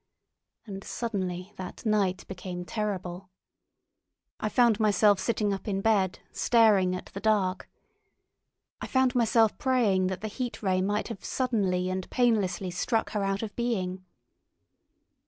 And suddenly that night became terrible. I found myself sitting up in bed, staring at the dark. I found myself praying that the Heat Ray might have suddenly and painlessly struck her out of being.